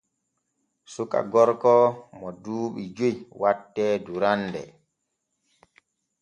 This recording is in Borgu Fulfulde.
Suka gorko mo duuɓi joy wattee durande.